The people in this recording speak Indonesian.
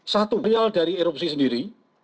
satu rial dari erupsi sendiri